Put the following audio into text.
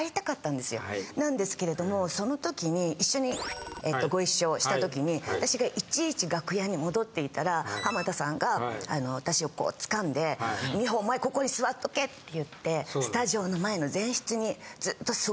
なんですけれどもその時に一緒にご一緒した時に私がいちいち楽屋に戻っていたら浜田さんが私をこう掴んで「美穂お前」。って言ってスタジオの前の前室に。